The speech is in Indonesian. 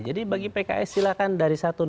jadi bagi pks silahkan dari satu